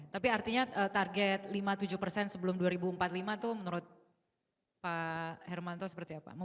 tapi artinya target lima puluh tujuh persen sebelum dua ribu empat puluh lima itu menurut pak hermanto seperti apa